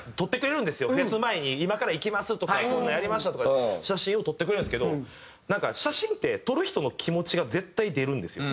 フェス前に「今から行きます」とか「こんなんやりました」とか写真を撮ってくれるんですけど写真って撮る人の気持ちが絶対出るんですよ。